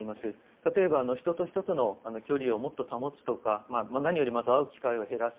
例えば人と人との距離をもっと保つとか何よりまず会う機会を減らす。